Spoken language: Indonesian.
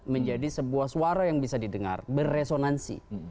menjadi sebuah suara yang bisa didengar berresonansi